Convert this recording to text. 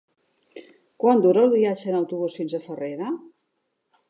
Quant dura el viatge en autobús fins a Farrera?